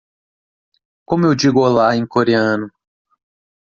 Como eu digo olá em coreano?